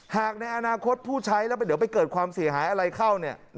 ในอนาคตผู้ใช้แล้วเดี๋ยวไปเกิดความเสียหายอะไรเข้า